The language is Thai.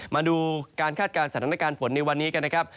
มาดูการคาดการณ์สถานการณ์ฝนในวันนี้กันนะครับ